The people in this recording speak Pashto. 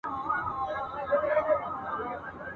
لر او بر افغانان راټول سوي دي ..